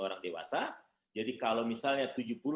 orang dewasa jadi kalau misalnya